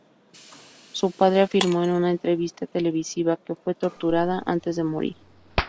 Su padre afirmó en una entrevista televisiva que fue torturada antes de morir.